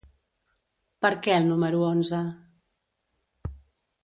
Per què el número onze?